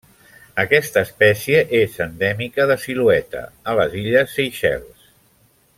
Aquesta espècie és endèmica de Silueta, a les illes Seychelles.